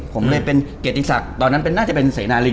ผมเลยเป็นเกียรติศักดิ์ตอนนั้นน่าจะเป็นเสนาลิง